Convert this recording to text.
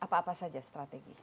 apa apa saja strategi